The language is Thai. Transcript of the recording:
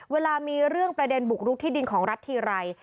เวลามีเรื่องประเด็นบุกรุกที่ดินของรัฐทีไร